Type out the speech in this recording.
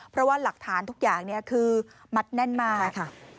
เพราะว่าหลักฐานทุกอย่างคือมัดแน่นมากค่ะ